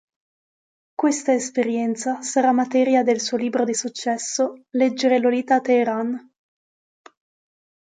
Questa esperienza sarà materia del suo libro di successo "Leggere Lolita a Teheran".